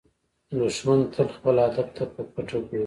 دښمن تل خپل هدف ته په پټه ګوري